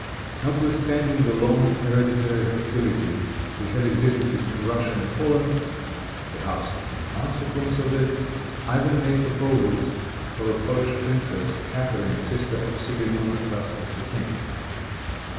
Notwithstanding the long hereditary hostility which had existed between Russia and Poland, perhaps in consequence of it, Ivan made proposals for a Polish princess, Catharine, sister of Sigismond Augustus, the king.